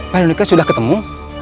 kak veronika sudah ketemu